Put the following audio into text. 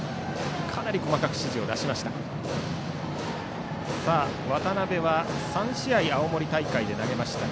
かなり細かく指示を出しました。